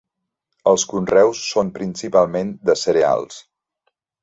Els conreus són principalment de cereals.